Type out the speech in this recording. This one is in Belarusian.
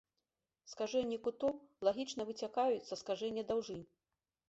Скажэнні кутоў лагічна выцякаюць са скажэння даўжынь.